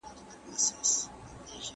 که مینه وي نو ماشومان نه ژاړي.